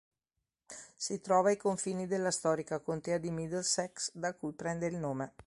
Si trova ai confini della storica contea di Middlesex da cui prende il nome.